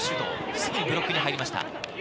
すぐにブロックに入りました。